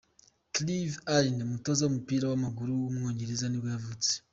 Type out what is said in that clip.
Clive Allen, umutoza w’umupira w’amaguru w’umwongereza nibwo yavutse.